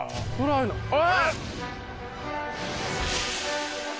えっ！